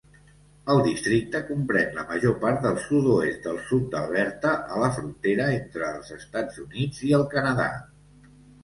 El districte comprèn la major part del sud-oest del sud d'Alberta a la frontera entre els Estats Units i el Canadà.